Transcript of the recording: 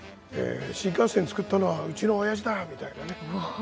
新幹線作ったのはうちのおやじだみたいなね